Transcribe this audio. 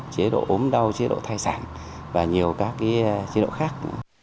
chế độ ốm đau chế độ thai sản và nhiều các chế độ khác